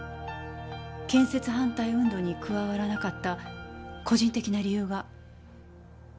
建設反対運動に加わらなかった個人的な理由が。